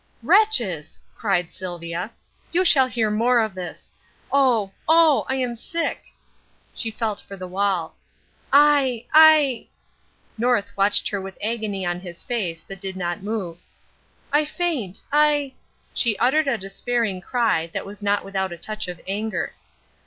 "Wretches!" cried Sylvia, "you shall hear more of this. Oh, oh! I am sick!" she felt for the wall "I I " North watched her with agony on his face, but did not move. "I faint. I " she uttered a despairing cry that was not without a touch of anger.